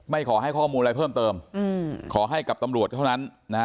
ขอให้ข้อมูลอะไรเพิ่มเติมขอให้กับตำรวจเท่านั้นนะฮะ